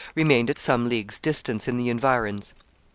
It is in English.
remained at some leagues' distance in the environs.